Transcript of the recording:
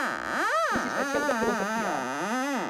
მისი სპეციალობა ფილოსოფიაა.